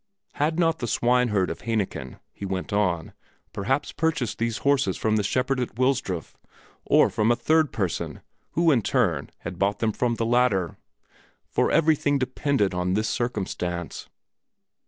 Had not the swineherd of Hainichen, he went on, perhaps purchased these horses from the shepherd at Wilsdruf, or from a third person, who in turn had bought them from the latter? for everything depended on this circumstance.